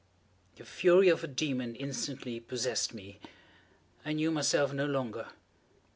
The fury of a demon instantly possessed me. I knew myself no longer.